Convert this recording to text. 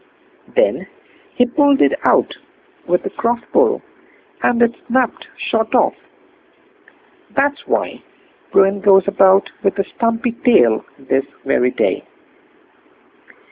Then he pulled it out with a cross pull, and it snapped short off. That's why Bruin goes about with a stumpy tail this very day.